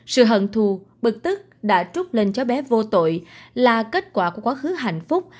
sự hận thù bực tức đã trút lên cháu bé vô tội là kết quả của quá khứ hạnh phúc